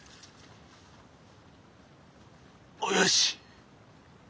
およし。